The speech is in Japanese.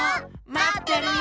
まってるよ！